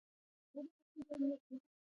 سیلابونه د افغانستان د بڼوالۍ برخه ده.